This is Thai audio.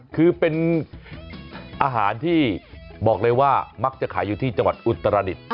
คือเป็นอาหารที่บอกเลยว่ามักจะขายอยู่ที่จังหวัดอุตรดิษฐ์